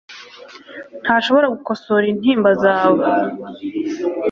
ntashobora gukosora intimba zawe